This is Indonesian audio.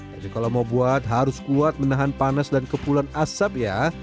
tapi kalau mau buat harus kuat menahan panas dan kepulan asap ya